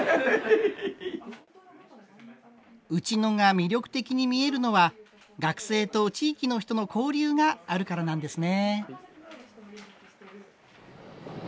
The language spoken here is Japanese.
内野が魅力的に見えるのは学生と地域の人の交流があるからなんですね。